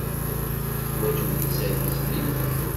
Teḥwajemt tasarut-nni?